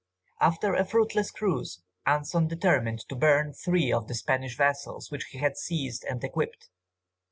After a fruitless cruise, Anson determined to burn three of the Spanish vessels which he had seized and equipped.